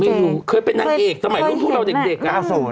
หนูเคยเป็นนางเอกสมัยรุ่นพวกเราเด็ก